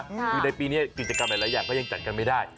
คือในปีนี้กิจกรรมหลายอย่างก็ยังจัดกันไม่ได้